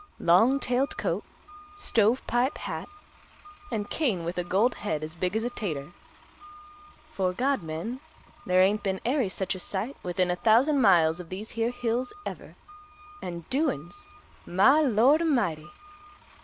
"Long tailed coat, stove pipe hat, an' cane with a gold head as big as a 'tater. 'Fo' God, men, there ain't been ary such a sight within a thousand miles of these here hills ever. An' doin's! My Lord, a'mighty!"